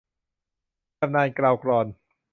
ชำนาญเกลากลอน